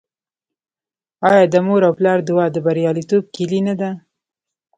آیا د مور او پلار دعا د بریالیتوب کیلي نه ده؟